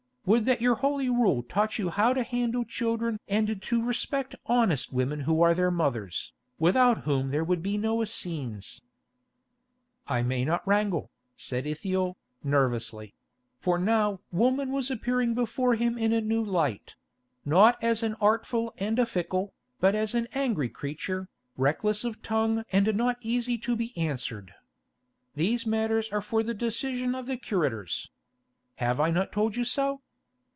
Would that your holy rule taught you how to handle children and to respect honest women who are their mothers, without whom there would be no Essenes." "I may not wrangle," said Ithiel, nervously; for now woman was appearing before him in a new light; not as an artful and a fickle, but as an angry creature, reckless of tongue and not easy to be answered. "These matters are for the decision of the curators. Have I not told you so?